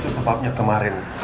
itu sebabnya kemarin